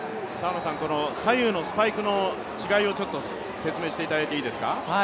左右のスパイクの違いを説明してもらったんですか。